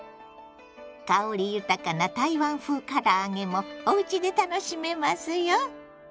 香り豊かな台湾風から揚げもおうちで楽しめますよ。